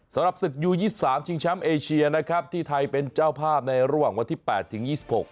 สำหรับศึกยูยี่สิบสามชิงช้ำเอเชียนะครับที่ไทยเป็นเจ้าภาพในร่วมวันที่แปดถึงยี่สิบหก